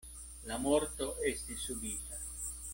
La morto estis subita.